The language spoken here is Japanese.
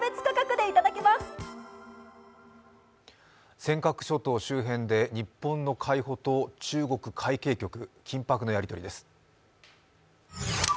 尖閣諸島周辺で日本の海保と中国海警局、緊迫のやり取りです。